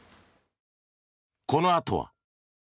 このあとは。